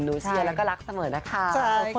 เชียร์แล้วก็รักเสมอนะคะ